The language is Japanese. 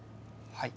はい。